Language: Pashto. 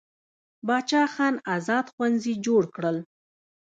باچا خان ازاد ښوونځي جوړ کړل.